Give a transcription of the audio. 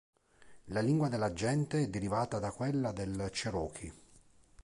La lingua della gente è derivata da quella del Cherokee.